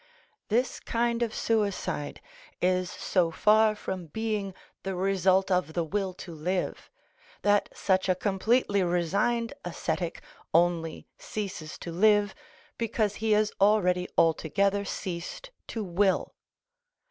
This kind of suicide is so far from being the result of the will to live, that such a completely resigned ascetic only ceases to live because he has already altogether ceased to will.